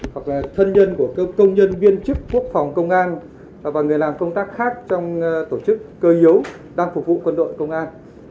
hoặc là thân nhân của công nhân viên chức quốc phòng công an và người làm công tác khác trong tổ chức cơ yếu đang phục vụ quân đội công an